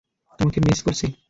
তোমাকে মিস করছি!